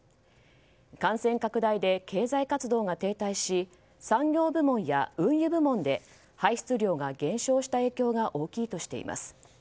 感染拡大で経済活動が停滞し産業部門や運輸部門で排出量が減少した影響が大きいとしています。